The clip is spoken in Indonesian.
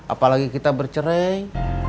apalagi kita bercerai